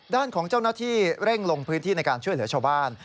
ด้านของเจ้าหน้าที่เร่งลงพื้นที่ในการช่วยเหลือชาวบ้าน